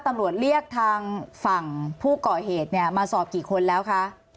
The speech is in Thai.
ตำรวจเรียกทางฝั่งผู้ก่อเหตุเนี่ยมาสอบกี่คนแล้วคะ